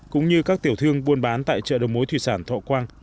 cũng như các tiểu thương buôn bán tại chợ đầu mối thủy sản thọ quang